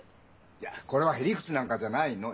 いやこれはへ理屈なんかじゃないの。